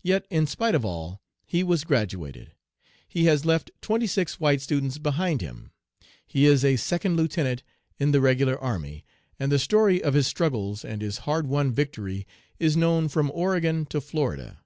Yet in spite of all, he was graduated; he has left twenty six white students behind him; he is a second lieutenant in the regular army, and the story of his struggles and his hard won victory is known from Oregon to Florida.